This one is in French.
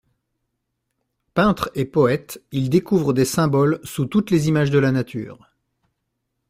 Peintre et poète, il découvre des symboles sous toutes les images de la nature.